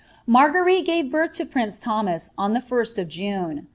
Marguerite gave birth to prince Thomas on the 1st of June.